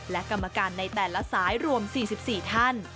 และกรรมการในแต่ละสายรวม๔๔ท่าน